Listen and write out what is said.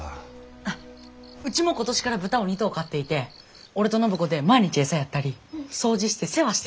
あっうちも今年から豚を２頭飼っていて俺と暢子で毎日餌やったり掃除して世話してるわけ。